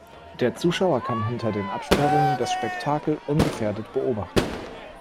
Der Zuschauer kann hinter den Absperrungen das Spektakel ungefährdet beobachten.